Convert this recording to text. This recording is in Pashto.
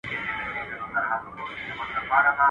پور چي تر سلو واوړي، وچه مه خوره.